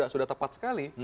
sudah tepat sekali